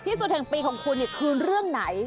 ที่สุดแห่งปีของคุณเนี่ยคือเรื่องไหน